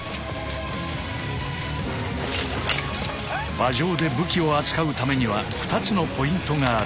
馬上で武器を扱うためには２つのポイントがある。